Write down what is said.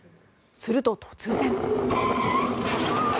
すると、突然。